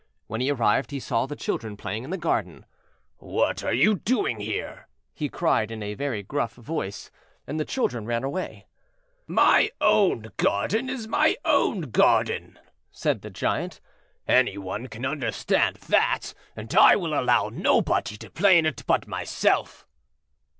When he arrived he saw the children playing in the garden. "What are you doing here?" he cried in a very gruff voice, and the children ran away. "My own garden is my own garden," said the Giant; "any one can understand that, and I will allow nobody to play in it but myself."